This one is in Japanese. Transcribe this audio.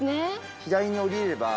左に下りれば。